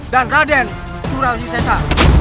dan raden surawisesa